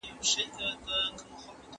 ¬ ږيره ئې لو کړه، بلا ئې پکښي للو کړه.